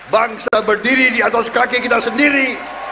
bangsa berdiri di atas kaki kita sendiri